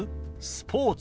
スポーツ。